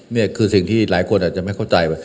นี่คือสิ่งที่หลายคนอาจจะไม่เข้าใจว่า